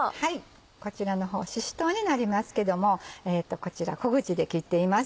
こちらの方しし唐になりますけどもこちら小口で切っています。